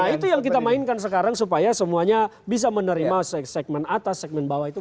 nah itu yang kita mainkan sekarang supaya semuanya bisa menerima segmen atas segmen bawah itu